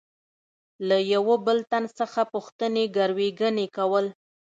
له یوه بل تن څخه پوښتنې ګروېږنې کول.